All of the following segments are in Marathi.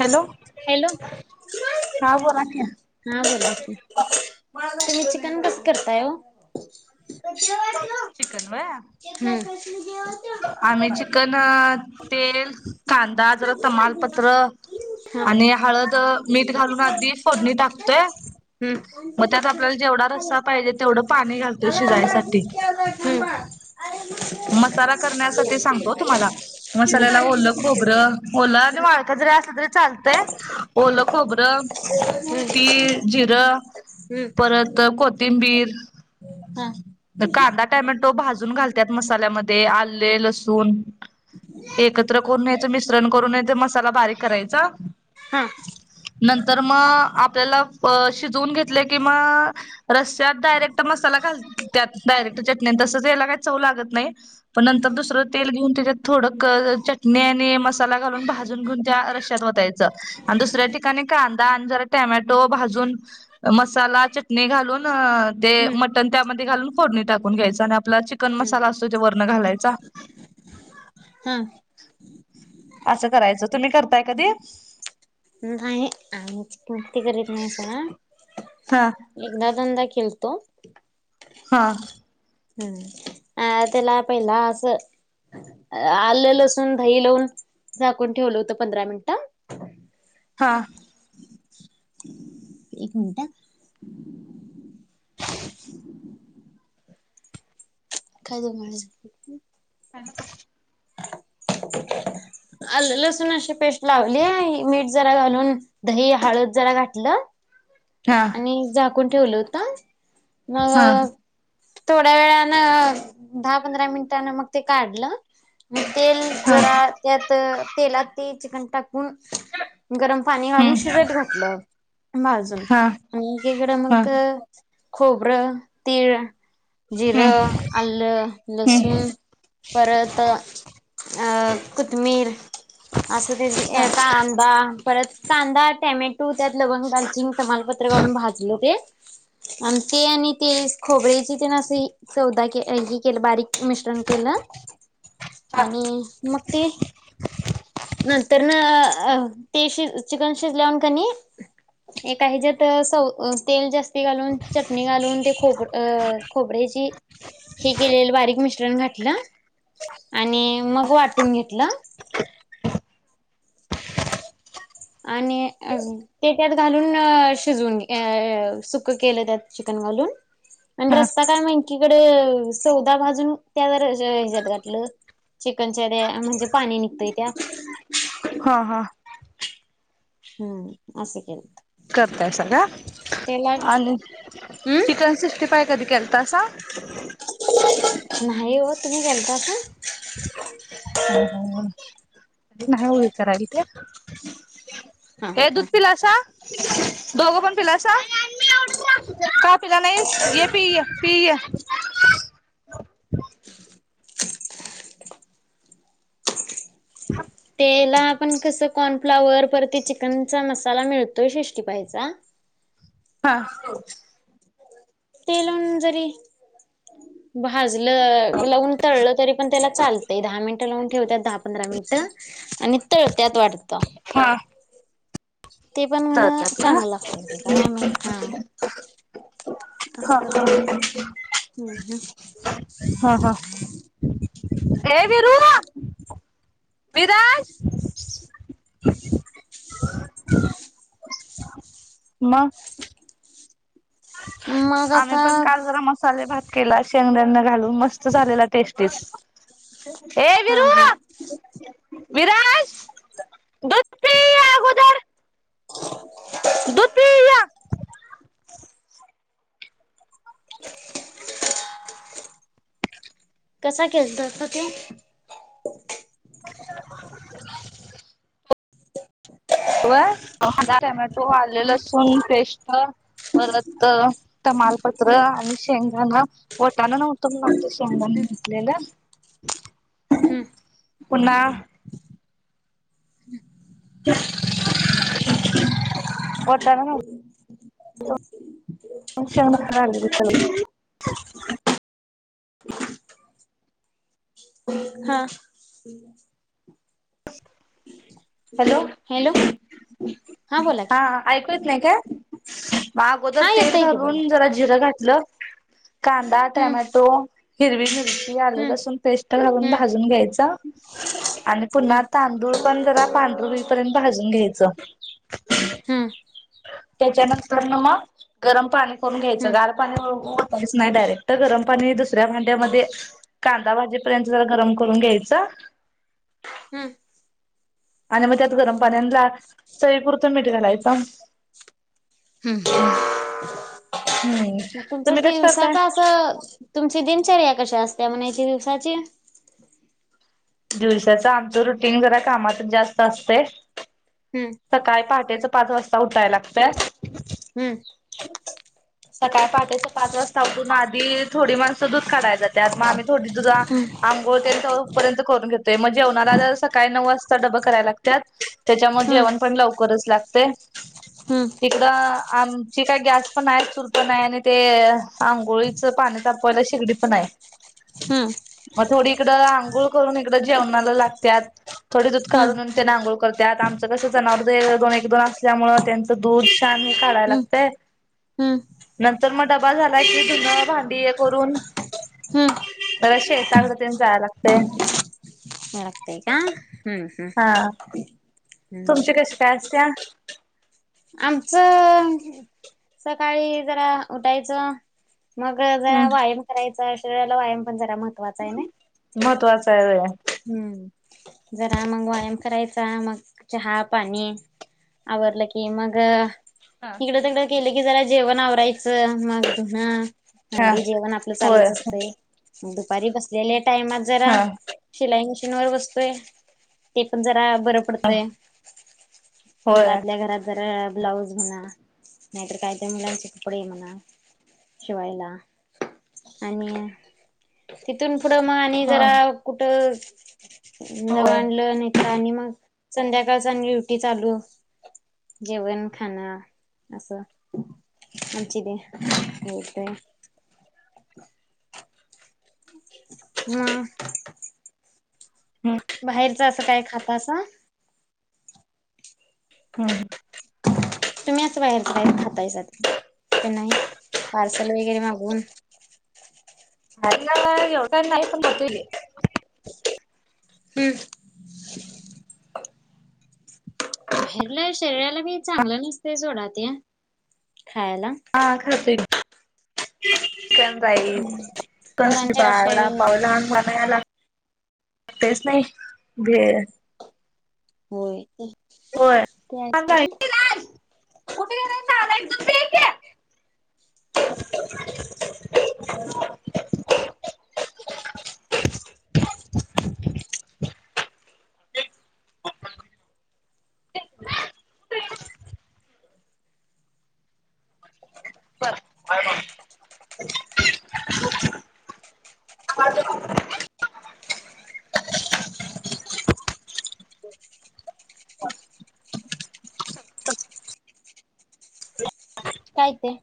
हॅलो हॅलो, हा बोला की हा बोला की. तुम्ही चिकन कसं करताय ओ? चिकन व्हय हम्म [unintelligible] आम्ही चिक कन तेल, कांदा जरा तमालपत्र हा आणि हळद, मीठ घालून आदी फोडणी टाकतोय. मग त्यात आपल्याला जेवढा रस्सा पाहिजे तेवढ पाणी घालतोय शिजायसाठी. मसाला करण्यासाठी सांगतो तुम्हाला मसाल्याला ओलं खोबरं, ओलं आणि वाळ जरी असलं तरी चालतय ओलं खोबरं तिळ, जिरं परत कोथिंबीर ह. कांदा, टोमॅटो भाजून घालतात मसाल्यामध्ये आले लसूण एकत्र करून याच मिश्रण करून ते मसाला बारीक करायचा. हा नंतर मग आपल्याला अ शिजवून घेतले की मग रश्यात डायरेक्ट मसाला घाल त्यात डायरेक्ट चटण्या तसेच याला काय चव लागत नाही. पण नंतर दुसर तेल घेऊन त्याच्यात थोडं क चटणी आणि मसाला घालून भाजून घेऊन त्या रश्यात वतायचं. आणि दुसऱ्या ठिकाणी कां का आणि जरा ट्याम्याटो भाजून मसाला चटणी घालून ते हम्म मट पण त्यामध्ये घालून फोडणी टाकून घ्यायचा आणि आपला चिकन हम्म मसाला असतोय तो वरन घालायचा. हं. असं करायचं. तुम्ही करताय कधी? नाही. आम्ही चिकन कधी करत नाही सोडा. हा एकदा दोनदा केलत. हां. हम्म अ त्याला पहिला असं आलं, लसून, दही लावून झाकून ठेवलं होतं पंधरा मिनिटं. हां. एक मिनट हा. [inaudible] काय झालं [unintelligible] हॅलो. आलं-लसूण अशी पेस्ट लावली आणि मीठ जरा घालून दही, हळद जरा घातलं. हां. ते झाकून ठेवलं होतं मग हा थोड्या वेळानं दहा पंधरा मिनटान मग ते काढलं. म तेल हा जरा त्यात तेलात ते चिकन टाकून गरम पाणी घलून हम्म शिजत घातलं भाजून हा हा एकीकडं मग हम्म खोबरं, तीळ, जिर, आल्ल, हम्म लसुण परत अ कुथमीर असं त्याची हा कांदा परत कांदा, टॅमॅटू त्यात लवंग, दालचीनी तमालपत्र घालून भाजल ते आणि ते आणि तीळ, खोबऱ्याची तेन असे सौदा के हे केलं बारीक मिश्रण केलं आणि मग ते नंतरन अ ते शि चिकन शिजल्यावर कणी एका हेच्यात सौ अ तेल जास्त ते घालून चटणी घालून ते खोबर अ खोबऱ्याची हे केलेल बारीक मिश्र तेन घातलं आणि मग वाटून घेतलं. आणि अं ते त्यात घालून शिजवून अ सुक्क केलं त्यात चिकन घालून. आणि रस्सा काय म एकीकड सौदा भाजून त्यावर ज ह्याच्यात घातलं. चिकनच्या ड्या म्हणजे पाणी निळतय त्या हा हा हम्म अस केलत. करतायसा काय आणि चिकन सिक्स्टी फाय कधी केलतासा? नाही वो तुम्ही केलतासा? अ हं कधी नाही वो करायला ते. हा ये हा दूध पिलासा? दोघ पण पिलासा का पिला नाहीस ये पि य ये पि ये. [inaudible] त्याला आपण कसं कॉर्नफ्लावर परती चिकनचा मसाला मिळतोय शिष्टी पायचा. हा. ते लाऊन जरी भाजलं लावून तळलं तरी पण त्याला चालते दहा मिनिटं लावून ठेवत्यात दहा पंधरा मिनिटं आणि तळत्यात वाटत. हा. म्हण तळत्यात का? चांगलं लागत काय माहित हा हा असं का. करत्यात हम्म हम्म. ये विरु. विराज. मग? हम्म मग आम्ही आता पण काल जरा मसाले भात केला शेंगदांना घालू मस्त झालेला टेस्टीस. ए हा विरु. हा विराज दूध पि ये अगोदर. दूध पि. कसा केलतसा ती? [inaudible] ते व्हय टोमॅटो, आल, हम्म लसून पेस्ट, परत तमालपत्र हम्म आणि शेंगदाणा, वाटान नव्हतं [unintelligible] शेंगादान हम्म घेतलेलं. हम्म पुन्हा वाटाणा नव्ह [unintelligible] हां. [inaudible] हॅलो! हॅलो बोला हा. की ऐकू येत नाही काय? मग अगोदर हा तेल येतय की बोला घालून जरा जिर घातलं, कां दा, हम्म टोमॅटो, हिरवी मिरची, आलं, हम्म लसून पेस्ट घालून हम्म भाजून घ्यायच. पुन्हा हम्म तांदूळ पण जरा पांढर होई पर्यंत भाजून घ्यायचं. हम्म त्याच्यानंतर न मग गरम पाणी करून घ्यायच हम्म गार पाणी वतायचं नाही डायरेक्ट तर गरम पाणी दुसऱ्या भांड्यांमध्ये कांदा भाजीपर्यंत जरा गरम करून घ्यायच हम्म. आणि मग त्यात गरम पाण्याला चई पुुरतं मीठ घालायचं. हम्म हम्म हम्म मग तुमच तुम्ही कस करताय? दिवसाच असं तुमची दिनचर्या कशी असतीया म्हणायची दिवसाची? दिवसाच आमचं रुटीन जरा कामातच जास्त असतय. हम्म. सकाळी पहाटेच पाच वाजता उठाय लागतय. हम्म. सकाळी पहाटेच्या पाच वाजता उठून आधी थोडी माणसं दूध काढाया जात्यात मग आम्ही थोडी दुध अंगोळ ते न करे पर्यंत करून घेतोय, मग जेवणाला आल्यावर सकाळी नऊ वाजता डबं करायल लागत्यात. त्याच्यामुळे जेवण पण लवकरच लागतय. हम्म इकड आमची काय गॅस पण आहे, चूल पण आहे आणि ते आंघोळी च पाणी तपवायला शेगडी पण आहे. हम्म मग थोडी इकडं आंघूळ करून, इकडं जेवणाला लागत्यात, थोडी दूध काढून त्यानं अंघोळ करत्यात, आमच कसं जनावर ते दोन एक दोन असल्यामुळे त्याचं तर दूध शान काढायला लागते. नंतर म डब्बा झाला की, धून, भांडी हे करून हम्म परत शेताकडे ते जाय लागतय. जाय लागते का? हम्म हम्म. हा हम्म तुमची कशी काय असतेया? आमचं, सकाळी जरा उठायचं मग जरा हम्म व्यायाम करायचा, शरीराला व्यायाम पण जरा महत्त्वाचा आहे नी. महत्त्वाचं आहे व्हय हम्म, जरा मग व्यायाम करायचा मग चहा, पाणी आवरलं की मग इकडं तिकड केल की, जरा जेवण आवरायचं मग धून हा भांडी, जेवण आपलं होय चालूच असते, मंग दुपारी बसलेल्या टाइमात जरा हा शिलाई मिशीन वर बसतोय, ते पण जरा बर पडतंय होय घरातल्या घरात जरा ब्लाऊज म्हणा, नाहीतर काही तरी ते मुलांचे कपडे म्हणा शिवायला आणि तिथून पुढं मग आणि हा जरा कुठ नव होय. आणलं आणि मग संध्याकाळच आणि ड्युटी चालू जेवण- खाणं असं, आमचु, [unintelligible] दे होय म हम बाहेरचं असं काय खातासा? हम्म तुम्ही असं बाहेरच काय खातायसा का की नाही? पार्सल वगैरे मागून ह एव काय नाही पण गतोली हम्म बाहेरला शरीराला बी चांगलं नसते सोडा ते, खायला. हा खातोय. [unintelligible] चिकन राईस, [inaudible] पोरांच्या आशेवर वडापाव, लहान मुलांना काय लागतय ते. तेच नाही भेळ होय. होय ते आहेच कुठे खरं गेलाईस नालायक दुध पीत ये की. बर [unintelligible] काय ते?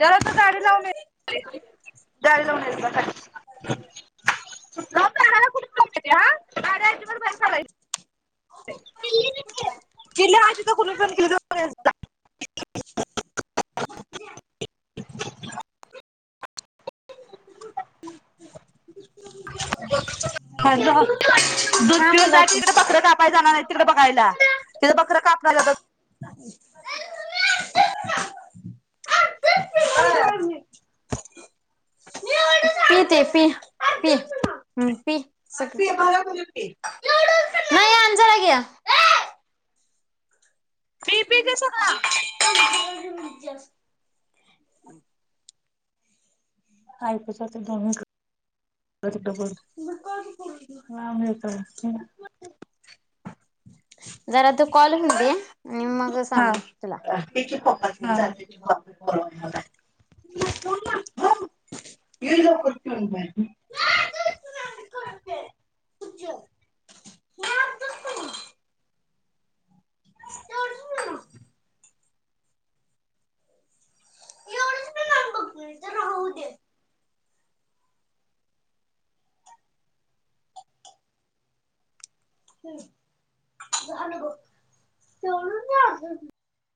जला तर गाडी लावून [inaudible] गाडी लावून ये जा खाली जाऊन दाराला कुलूप लावून येते हा. गाडी अजिबात बाहेर काढायची. [unintelligible] जा. ह दूध हा पिऊन बोला जाय क की तिकडं बकरं कापाय जाणार आहेत तिकडे बघायला तिकडे बकरं कापल जात [unintelligible] का पी ते पी ह पी सगळं पी नाही आण जरा घे पी पी ते सगळं ऐकच तर दोन्ही [unintelligible] [unintelligible] जरा तू कॉल होऊन दे केलं आणि मग हा सांग तुला दे की पप्पासनी [unintelligible] [unintelligible] [unintelligible] [inaudible] एवढच पिणार बघ मी तर राहू दे झाल बग तेवढंच माझं